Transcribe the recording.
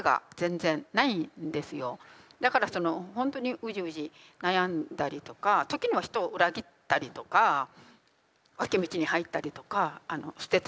だからそのほんとにうじうじ悩んだりとか時には人を裏切ったりとか脇道に入ったりとか捨てたりとか。